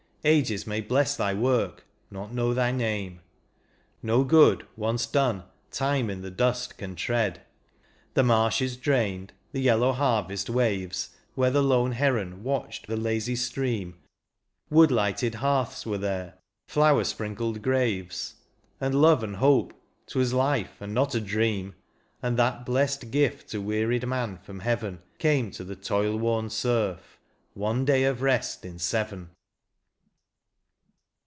Ages may bless thy work, not know thy name, No good once done time in the dust can tread. The marsh is drained, the yellow harvest waves Where the lone heron watched the lazy stream, Wood lighted hearths were there, flower sprinkled graves. And love and hope ; 't was life, and not a dream. And that blest gift to wearied man from heaven Came to the toil worn serf — one day of rest in seven.